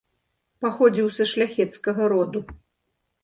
Паходзіў са шляхецкага роду.